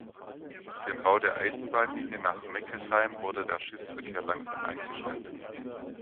Mit dem Bau der Eisenbahnlinie nach Meckesheim wurde der Schiffsverkehr langsam eingestellt.